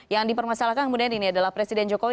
yang dipermasalahkan kemudian ini adalah presiden jokowi